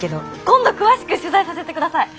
今度詳しく取材させて下さい。